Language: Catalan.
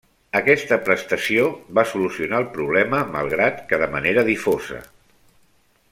Aquesta prestació va solucionar el problema malgrat que de manera difosa.